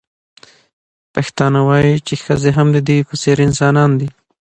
پښتانه وايي چې ښځې هم د دوی په څېر انسانان دي.